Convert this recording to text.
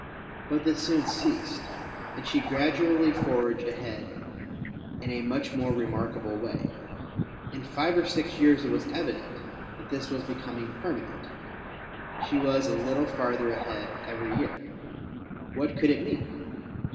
But this soon ceased, and she gradually forged ahead in a much more remarkable way. In five or six years it was evident that this was becoming permanent; she was a little farther ahead every year. What could it mean?